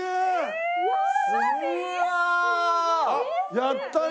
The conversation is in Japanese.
やったね。